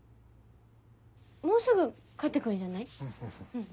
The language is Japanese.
もうすぐ帰って来るんじゃない？